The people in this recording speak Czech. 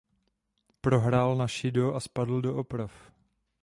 Prohrál na šido a spadl do oprav.